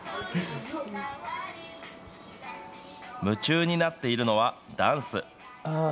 夢中になっているのはダンス。